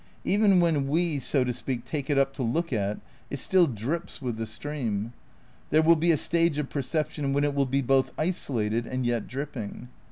Even when we, so to speak, take it up to look at, it stiU drips with the stream. There wiU be a stage of percep tion when it will be both isolated and yet dripping.